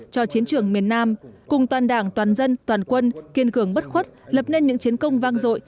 cho chiến trường miền nam cùng toàn đảng toàn dân toàn quân kiên cường bất khuất lập nên những chiến công vang dội